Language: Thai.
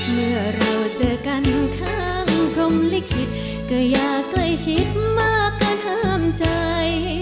เมื่อเราเจอกันข้างพรมลิขิตก็อย่าใกล้ชิดมากเกินห้ามใจ